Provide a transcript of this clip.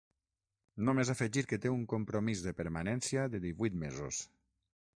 Només afegir que té un compromís de permanència de divuit mesos.